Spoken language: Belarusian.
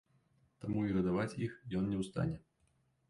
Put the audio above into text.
Таму і гадаваць іх ён не ў стане.